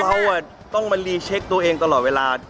เขาต้องมารีเช็คตัวเองตลอดเวลา